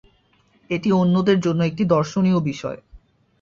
এটি অন্যদের জন্য একটি দর্শনীয় বিষয়।